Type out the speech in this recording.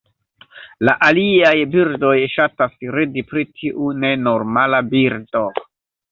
La aliaj birdoj ŝatas ridi pri tiu nenormala birdo.